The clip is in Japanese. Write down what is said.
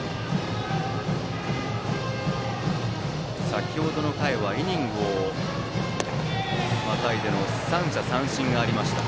先程の回はイニングをまたいでの三者三振がありました。